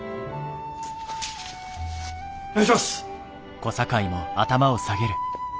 お願いします。